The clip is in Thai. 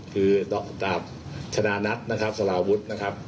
คือตราบชนะนัทสลาวุธ